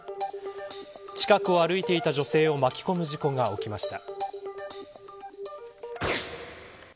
近くを歩いていた女性を巻き込む事故が起きました。